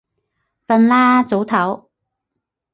瞓啦，早唞